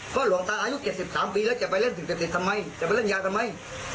เพราะหลวงตาอายุ๗๓ปีแล้วจะไปเล่นยาทำไม